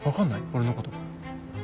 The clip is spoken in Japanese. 俺のこと。